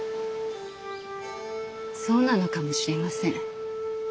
そうなのかもしれません。